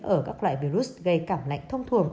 ở các loại virus gây cảng lạnh thông thường